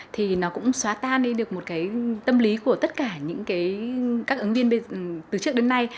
thì nó cũng xóa tan đi được một tâm lý của tất cả các ứng viên từ trước đến nay